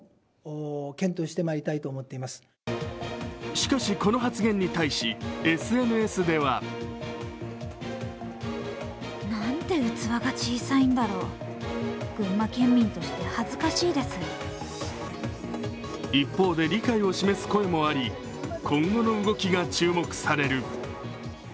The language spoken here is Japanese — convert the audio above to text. しかし、この発言に対しＳＮＳでは一方で理解を示す声もあり今後の動きが注目される。